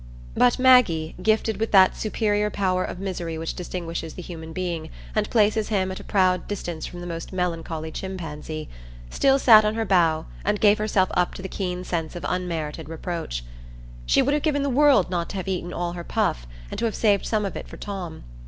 But Maggie, gifted with that superior power of misery which distinguishes the human being, and places him at a proud distance from the most melancholy chimpanzee, sat still on her bough, and gave herself up to the keen sense of unmerited reproach. She would have given the world not to have eaten all her puff, and to have saved some of it for Tom.